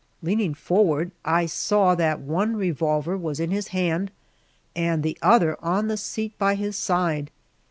Leaning forward, I saw that one revolver was in his hand and the other on the seat by his side.